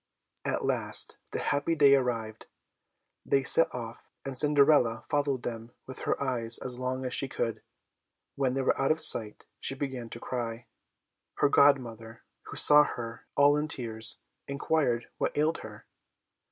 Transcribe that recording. At last the happy day arrived. They set off, and Cinderella followed them with her eyes as long as she could. When they were out of sight, she began to cry. Her godmother, who saw her all in tears, inquired what ailed her.